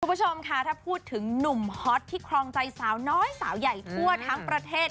คุณผู้ชมค่ะถ้าพูดถึงหนุ่มฮอตที่ครองใจสาวน้อยสาวใหญ่ทั่วทั้งประเทศ